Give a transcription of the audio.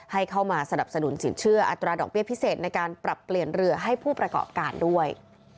ให้เข้ามาสนับสนุนสินเชื่ออัตราดอกเบี้ยพิเศษในการปรับเปลี่ยนเรือให้ผู้ประกอบการด้วย